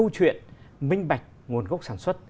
tuyệt minh bạch nguồn gốc sản xuất